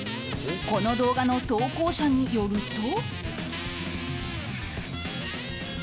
この動画の投稿者によると。